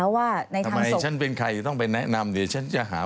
ทำไมฉันเป็นใครต้องไปแนะนำ